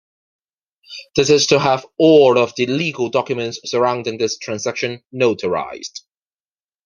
This is to have all of the legal documents surrounding this transaction notarized.